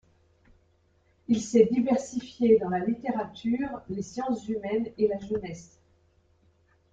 Il s'est diversifié dans la littérature, les sciences humaines et la jeunesse.